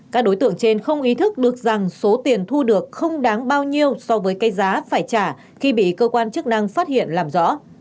các đối tượng trên không ý thức được rằng số tiền thu được không đáng bao nhiêu so với cây giá phải trả khi bị cơ quan chức năng phát hiện làm rõ